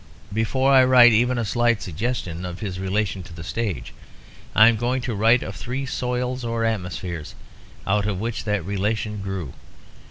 Before I write even a slight suggestion of his relation to the stage, I am going to write of three soils or atmospheres out of which that relation grew.